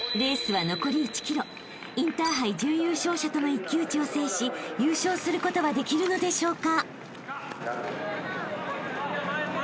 ［インターハイ準優勝者との一騎打ちを制し優勝することはできるのでしょうか？］